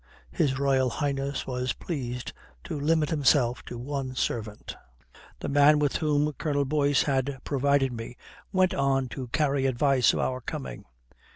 His Royal Highness was pleased to limit himself to one servant. The man with whom Colonel Boyce had provided me went on to carry advice of our coming.